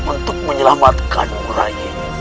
untuk menyelamatkanmu rai